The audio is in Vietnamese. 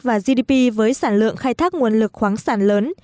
và gdp với sản lượng khai thác nguồn lực khoáng sản lớn